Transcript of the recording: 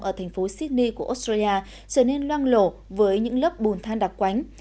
ở thành phố sydney của australia trở nên loang lộ với những lớp bùn than đặc quánh